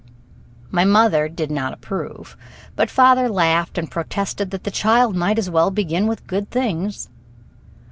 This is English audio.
My mother did not approve, but father laughed and protested that the child might as well begin with good things.